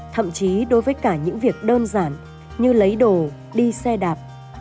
thậm chí đối với cả những việc đơn giản như lấy đồ đi xe đạp